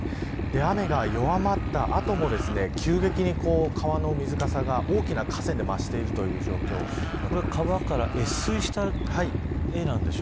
雨が弱まった後も急激に川の水かさが大きな河川で増ているという状況です。